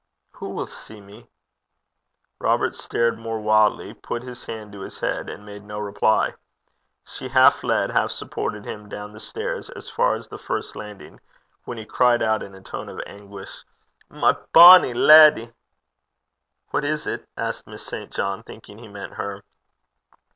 'Who will see me?' Robert stared more wildly, put his hand to his head, and made no reply. She half led, half supported him down the stair, as far as the first landing, when he cried out in a tone of anguish, 'My bonny leddy!' 'What is it?' asked Miss St. John, thinking he meant her.